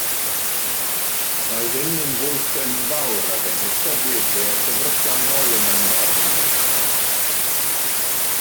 Mae hyn yn fwlch enfawr ac yn ystadegau syfrdanol yn fy marn i